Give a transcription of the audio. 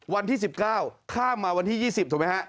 วันที่๑๙ข้ามมาวันที่๒๐ถูกไหมฮะ